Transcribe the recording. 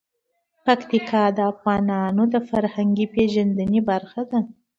پکتیکا د افغانانو د فرهنګي پیژندنې برخه ده.